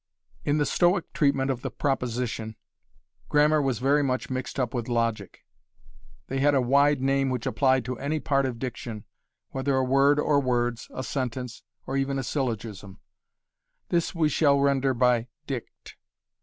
In the Stoic treatment of the proposition, grammar was very much mixed up with logic. They had a wide name which applied to any part of diction, whether a word or words, a sentence, or even a syllogism. This we shall render by "dict."